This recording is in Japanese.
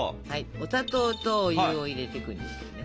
お砂糖とお湯を入れていくんですけどね。